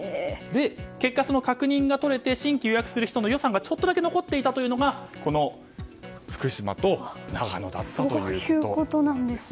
結果、確認が取れて新規予約する人の予算がちょっとだけ残っていたというのがこの福島と長野だったということ。